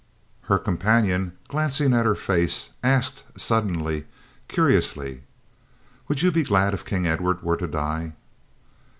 Her companion, glancing at her face, asked suddenly, curiously: "Would you be glad if King Edward were to die?"